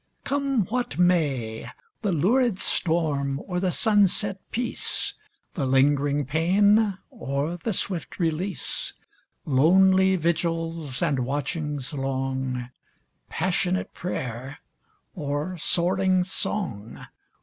. Come what may — The lurid storm or the sunset peace, The lingering pain or the swift release, Lonely vigils and watchings long, Passionate prayer or soaring song.